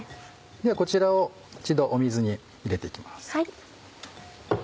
ではこちらを一度水に入れて行きます。